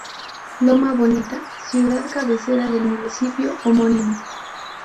Loma Bonita: Ciudad Cabecera del Municipio homónimo.